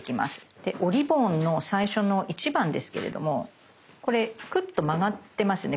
でおリボンの最初の１番ですけれどもこれくっと曲がってますよね。